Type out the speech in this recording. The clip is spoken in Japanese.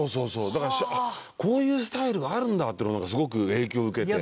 だからこういうスタイルがあるんだっていうのをなんかすごく影響を受けて。